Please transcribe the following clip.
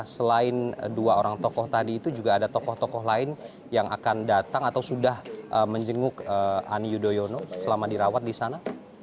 selain dua orang tokoh tadi itu juga ada tokoh tokoh lain yang akan datang atau sudah menjenguk ani yudhoyono selama dirawat di sana